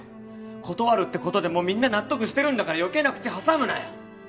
断るってことでもうみんな納得してるんだから余計な口挟むなよ